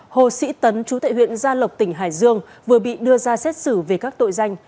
hồ sĩ tấn chú tại huyện gia lộc tỉnh hải dương vừa bị đưa ra xét xử về các tội danh